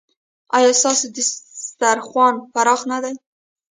ایا ستاسو دسترخوان پراخ نه دی؟